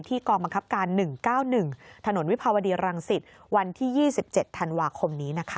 กองบังคับการ๑๙๑ถนนวิภาวดีรังสิตวันที่๒๗ธันวาคมนี้นะคะ